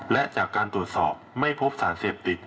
และจากการตรวจสอบไม่พบสารเสพติด